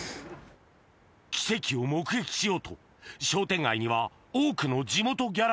奇跡を目撃しようと商店街には多くの地元ギャラリーが